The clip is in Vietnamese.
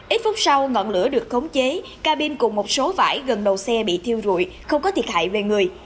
ít phút sau ngọn lửa được khống chế cabin cùng một số vải gần đầu xe bị thiêu rụi không có thiệt hại về người